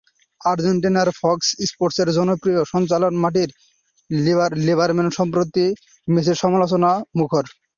আর্জেন্টিনার ফক্স স্পোর্টসের জনপ্রিয় সঞ্চালক মার্টিন লিবারম্যান সম্প্রতি মেসির সমালোচনায় মুখর।